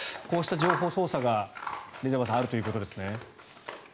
こうした情報操作がレジャバさんあるということですね。